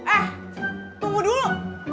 eh tunggu dulu